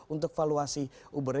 untuk valuasi uber